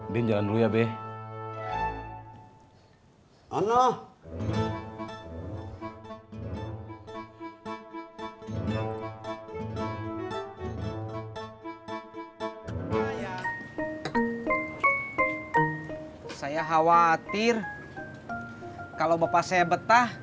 din jalan dulu ya be